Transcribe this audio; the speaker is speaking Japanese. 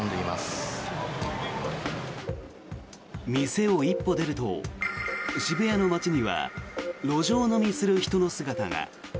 店を一歩出ると渋谷の街には路上飲みする人の姿が。